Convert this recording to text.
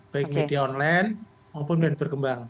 baik media online maupun media yang berkembang